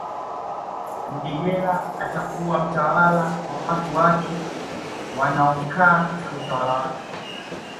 Mudegela atakuwa mtawala wa watu wake wanaokaa katika utawala wake